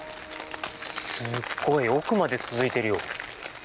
すごい奥まで続いてるよ。